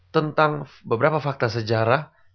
tentang beberapa fakta sejarah